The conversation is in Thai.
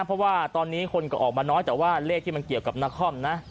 เพราะว่าตอนนี้คนก็ออกมาน้อยแต่ว่าเลขที่มันเกี่ยวกับนครนะ